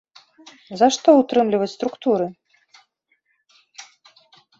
За што ўтрымліваць структуры?